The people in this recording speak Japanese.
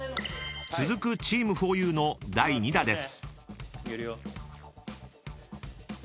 ［続くチームふぉゆの第２打です］